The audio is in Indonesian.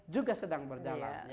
juga sedang berjalan